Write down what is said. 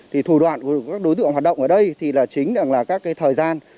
thủ đoạn của các đối tượng hoạt động ở đây chính là các thời gian